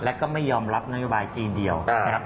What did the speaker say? แล้วก็ไม่ยอมรับนโยบายจีนเดียว